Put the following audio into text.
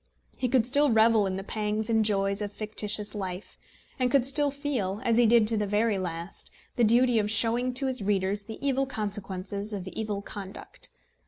He could still revel in the pangs and joys of fictitious life, and could still feel as he did to the very last the duty of showing to his readers the evil consequences of evil conduct.